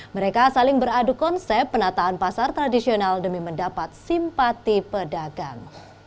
mereka saling beradu konsep penataan pasar tradisional demi mendapat simpati pedagang